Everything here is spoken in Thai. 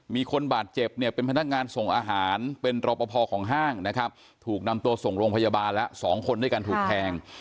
มีคนบาดเจ็บเนี่ยเป็นพนักงานส่งอาหารเป็นรอปภของห้างนะครับถูกนำตัวส่งโรงพยาบาลแล้วสองคนด้วยการถูกแทง